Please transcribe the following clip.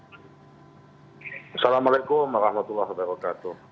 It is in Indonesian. assalamualaikum warahmatullahi wabarakatuh